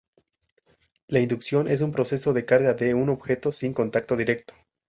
La inducción es un proceso de carga de un objeto sin contacto directo.